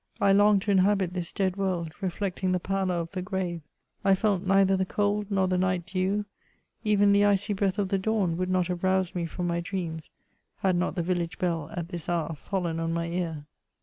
I longed to inhabit this dead world, reflecting the pallor of the grave. I felt neither the cold nor the night dew ; even the icy breath of the dawn would not have roused me from my dreams, had not the village bell at this hour fallen on my ear.